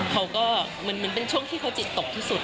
เขาก็เหมือนเป็นช่วงที่เขาจิตตกที่สุด